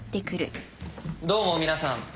どうも皆さん。